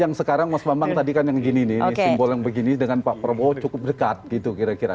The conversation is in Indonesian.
yang sekarang mas bambang tadi kan yang gini nih simbol yang begini dengan pak prabowo cukup dekat gitu kira kira